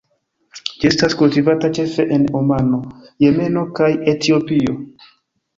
Ĝi estas kultivata ĉefe en Omano, Jemeno kaj Etiopio.